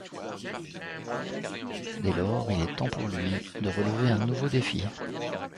Dès lors, il est temps pour lui de relever un nouveau défi.